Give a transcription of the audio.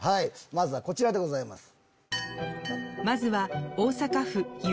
まずはこちらでございます。